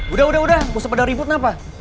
udah udah udah puse pada ributnya apa